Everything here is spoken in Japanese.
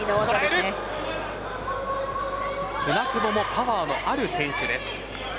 舟久保もパワーのある選手です。